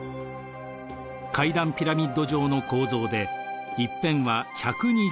階段ピラミッド状の構造で１辺は１２０メートル